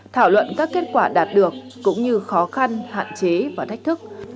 thảo luận các kết quả đạt được cũng như khó khăn hạn chế và thách thức